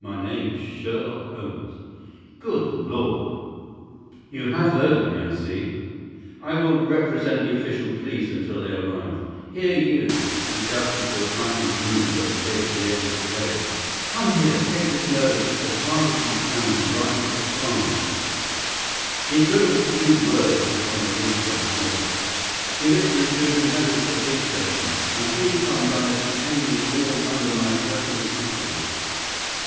"My name is Sherlock Holmes." "Good Lord!" "You have heard of me, I see. I will represent the official police until their arrival. Here, you!" he shouted to a frightened groom who had appeared at the edge of the glade. "Come here. Take this note as hard as you can ride to Farnham." He scribbled a few words upon a leaf from his note book. "Give it to the superintendent at the police station. Until he comes I must detain you all under my personal custody."